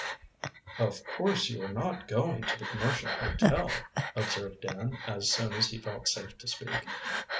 "Of course you are not going to the Commercial Hotel," observed Dan, as soon as he felt safe to speak.